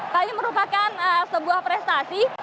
kalian merupakan sebuah prestasi